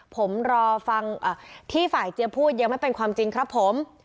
ผมรอฟังที่ฝ่ายเจี๊ยพูดยังไม่เป็นความจริงครับผม